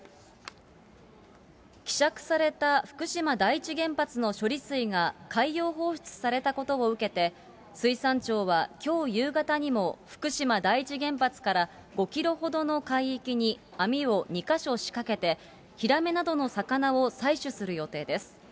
希釈された福島第一原発の処理水が海洋放出されたことを受けて、水産庁はきょう夕方にも、福島第一原発から５キロほどの海域に網を２か所仕掛けて、ヒラメなどの魚を採取する予定です。